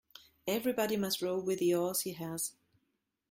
Everybody must row with the oars he has.